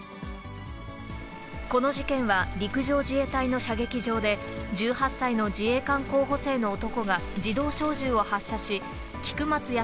この事件は陸上自衛隊の射撃場で、１８歳の自衛官候補生の男が自動小銃を発射し、菊松安